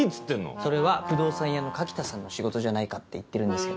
それは不動産屋の柿田さんの仕事じゃないかって言ってるんですけど。